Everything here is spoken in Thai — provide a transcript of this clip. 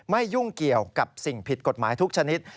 ยุ่งเกี่ยวกับสิ่งผิดกฎหมายทุกชนิด